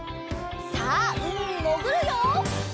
さあうみにもぐるよ！